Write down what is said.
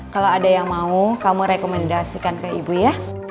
kalau ada yang mau kamu rekomendasikan ke ibu ya